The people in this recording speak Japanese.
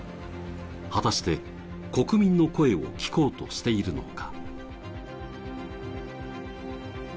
果たして国民の声を聞こうとしてているのか。